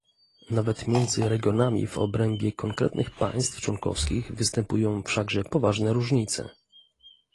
Nawet między regionami w obrębie konkretnych państw członkowskich występują wszakże poważne różnice